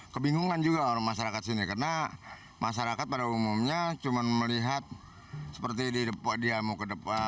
kebingungan juga masyarakat sini karena masyarakat pada umumnya cuma melihat seperti dia mau ke depan